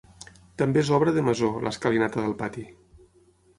També és obra de Masó, l'escalinata del pati.